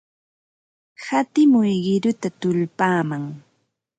Hatimuy qiruta tullpaman.